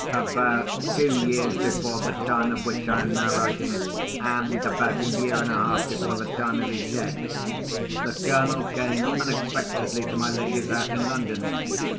About two years before the time of which I am now writing, and about a year and a half before the time of his death, the Colonel came unexpectedly to my lady's house in London.